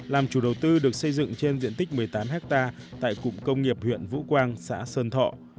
làm chủ đầu tư được xây dựng trên diện tích một mươi tám hectare tại cụng công nghiệp huyện vũ quang xã sơn thọ